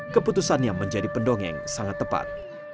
keputusannya menjadi pendongeng sangat tepat